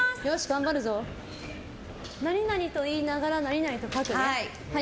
何々と言いながら何々と書くね。